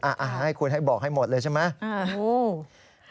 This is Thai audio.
อาหารให้คุณบอกให้หมดเลยใช่ไหม